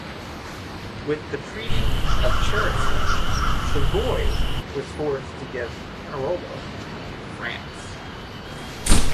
With the Treaty of Cherasco, Savoy was forced to give Pinerolo to France.